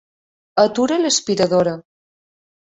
Atura l'aspiradora.